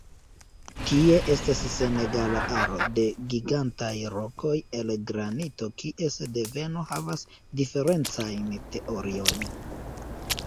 Tie estas senegala aro de gigantaj rokoj el granito kies deveno havas diferencajn teoriojn.